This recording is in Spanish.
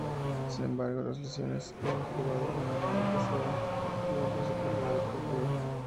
Sin embargo, las lesiones le han jugado una mala pasada durante su carrera deportiva.